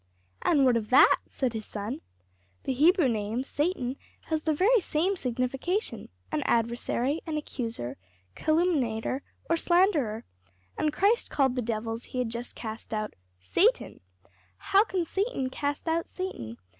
"And what of that?" said his son; "the Hebrew name, Satan, has the very same signification an adversary, an accuser, calumniator or slanderer and Christ called the devils he had just cast out, Satan: 'How can Satan cast out Satan?